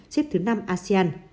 xếp thứ năm asean